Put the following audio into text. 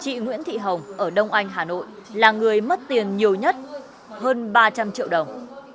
chị nguyễn thị hồng ở đông anh hà nội là người mất tiền nhiều nhất hơn ba trăm linh triệu đồng